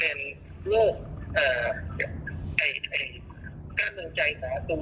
ยังเกิดร่วมด้วยหรือไม่ก็ได้